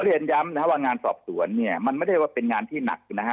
เรียนย้ำนะครับว่างานสอบสวนเนี่ยมันไม่ได้ว่าเป็นงานที่หนักนะฮะ